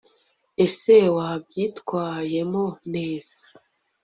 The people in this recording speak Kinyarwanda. ese wabyitwayemo neza